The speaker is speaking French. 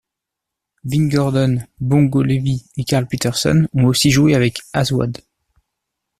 Vin Gordon, Bongo Levi et Karl Pitterson ont aussi joué avec Aswad.